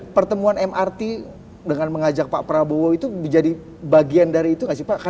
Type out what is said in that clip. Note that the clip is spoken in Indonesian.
apakah itu berarti dengan mengajak pak prabowo itu menjadi bagian dari itu pak